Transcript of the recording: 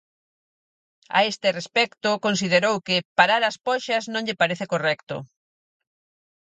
A este respecto, considerou que "parar as poxas" non lle parece "correcto".